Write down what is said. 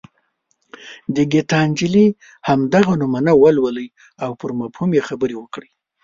د ګیتا نجلي همدغه نمونه ولولئ او پر مفهوم یې خبرې وکړئ.